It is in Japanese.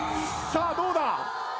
さあどうだ